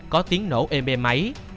có tiếng nổ êm êm ấy